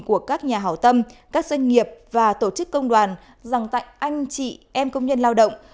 của các nhà hảo tâm các doanh nghiệp và tổ chức công đoàn dành tặng anh chị em công nhân lao động